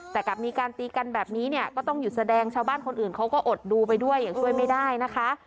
แต่กลับมีการตีกันแบบนี้เนี่ยก็ต้องหยุดแสดงชาวบ้านคนอื่นเขาก็อดดูไปด้วยอย่างช่วยไม่ได้นะคะ